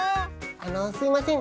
あのすいません